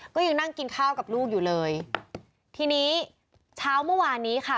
ก็ยังนั่งกินข้าวกับลูกอยู่เลยทีนี้เช้าเมื่อวานนี้ค่ะ